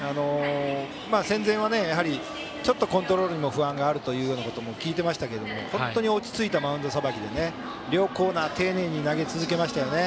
戦前は、やはりちょっとコントロールに不安があるということも聞いていましたけども本当に落ち着いたマウンドさばきで両コーナー丁寧に投げ続けましたよね。